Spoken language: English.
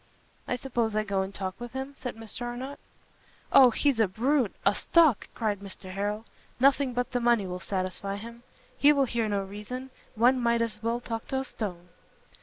"Suppose I go and talk with him?" said Mr Arnott. "O, he's a brute, a stock!" cried Mr Harrel, "nothing but the money will satisfy him: he will hear no reason; one might as well talk to a stone."